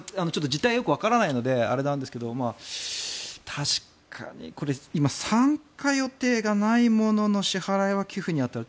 実態がよくわからないのであれなんですが確かにこれ、今参加予定がない者の支払いは寄付に当たる。